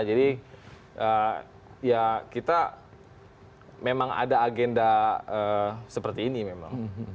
jadi ya kita memang ada agenda seperti ini memang